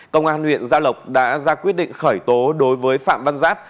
công an huyện gia lộc đã ra quyết định khởi tố đối với phạm văn giáp